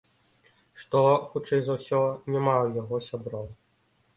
Што, хутчэй за ўсё, няма ў яго сяброў.